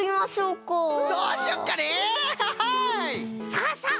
さあさあ